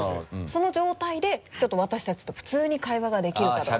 その状態でちょっと私たちと普通に会話ができるかどうか。